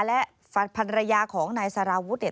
และภรรยาของนายสารวุฒิเนี่ย